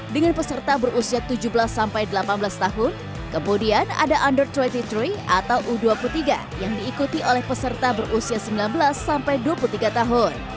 dengan peserta berusia tujuh belas sampai delapan belas tahun kemudian ada under dua puluh tiga atau u dua puluh tiga yang diikuti oleh peserta berusia sembilan belas sampai dua puluh tiga tahun